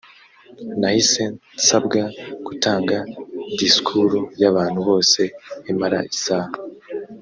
nahise nsabwa gutanga disikuru y’abantu bose imara isaha